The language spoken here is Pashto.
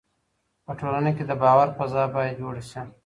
په ټولنه کي د باور فضا باید جوړه سي.